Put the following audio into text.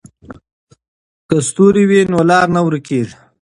که ستوري وي نو لار نه ورکېږي.